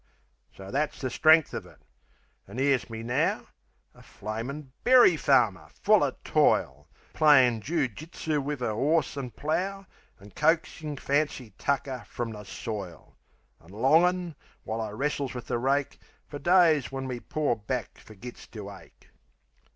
So that's the strength of it. An' 'ere's me now A flamin' berry farmer, full o' toil; Playin' joo jitsoo wiv an' 'orse an' plough, An' coaxin' fancy tucker frum the soil, An' longin', while I wrestles with the rake, Fer days when me poor back fergits to ache.